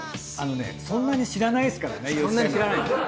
そんなに知らないですからねいっても。